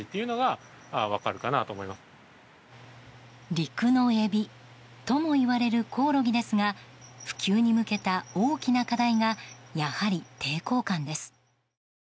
陸のエビともいわれるコオロギですが普及に向けた大きな課題がやはり、抵抗感です。